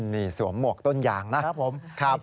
นี่สวมหมวกต้นยางนะครับ